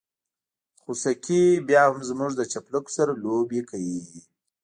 خوسکي بيا هم زموږ د چپلکو سره لوبې کوي.